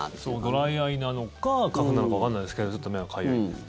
ドライアイなのか花粉なのかわかんないですけどずっと目がかゆいです。